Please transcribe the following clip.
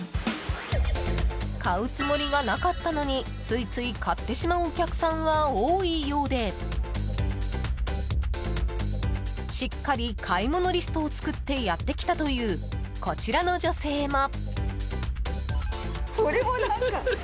買うつもりがなかったのについつい買ってしまうお客さんは多いようでしっかり買い物リストを作ってやってきたというこちらの女性も。